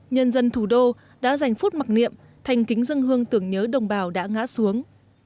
nhân dân thủ đô đã dành phút mặc niệm thành kính dân hương tưởng nhớ đồng bào đã ngã xuống